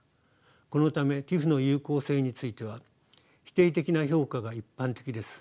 このためＴＩＰＨの有効性については否定的な評価が一般的です。